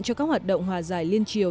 cho các hoạt động hòa giải liên triều